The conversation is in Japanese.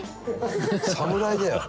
侍だよ。